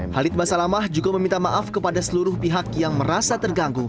khalid basalamah juga meminta maaf kepada seluruh masyarakat